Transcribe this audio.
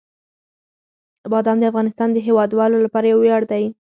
بادام د افغانستان د هیوادوالو لپاره یو ویاړ دی.